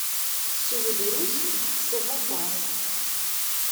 Sew drus, teṭṭseḍ aṭas.